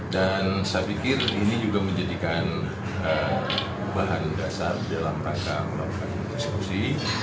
dan saya pikir ini juga menjadikan bahan dasar dalam rangka melakukan diskusi